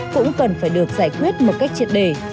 cũng cần phải được giải quyết một cách triệt đề